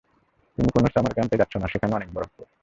তুমি কোন সামার ক্যাম্পে যাচ্ছো না সেখানে অনেক বরফ পরে।